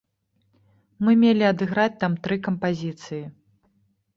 Мы мелі адыграць там тры кампазіцыі.